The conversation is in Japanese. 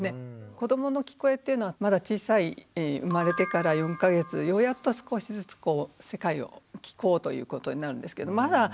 子どもの聞こえっていうのはまだ小さい生まれてから４か月ようやっと少しずつこう世界を聴こうということになるんですけどまだ進歩している途中なんですね。